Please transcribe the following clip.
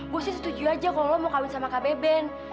gue sih setuju aja kalau lo mau kawin sama kak beben